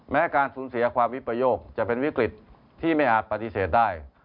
การสูญเสียความวิปโยคจะเป็นวิกฤตที่ไม่อาจปฏิเสธได้